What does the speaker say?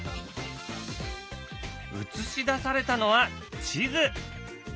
映し出されたのは地図。